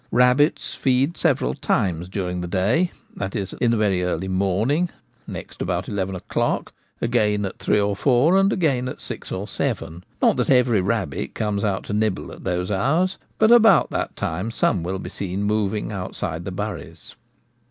Rabbits feed several times during the day — Le. in the very early morning, next about eleven o'clock, again at three or four, and again at six or seven. Not that every rabbit comes out to nibble at those hours, but about that time some will be seen moving outside the buries.